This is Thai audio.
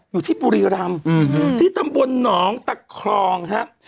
อยู่ที่บุรีรำที่ตำบลหนองตะครองครับ